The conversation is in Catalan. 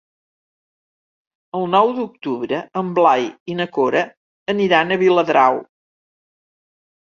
El nou d'octubre en Blai i na Cora aniran a Viladrau.